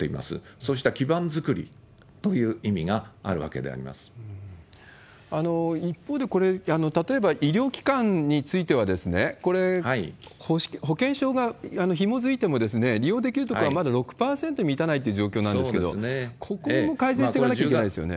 そうした基盤づくりという意味が一方でこれ、例えば医療機関については、これ、保険証がひもづいても、利用できるところはまだ６％に満たないっていう状況なんですけれども、ここも改善していかなきゃいけないですよね。